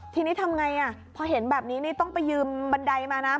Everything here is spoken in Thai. ทีนี้ทำไงพอเห็นแบบนี้นี่ต้องไปยืมบันไดมานะ